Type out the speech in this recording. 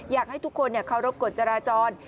อยากให้ทุกคนเคารพกฎจราจร